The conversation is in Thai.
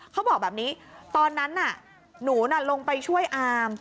เขาบอกแบบนี้ตอนนั้นน่ะหนูน่ะลงไปช่วยอาม